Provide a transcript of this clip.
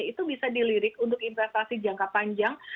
itu bisa dilirik untuk investasi jangka panjang